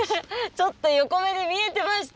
ちょっと横目で見えてました。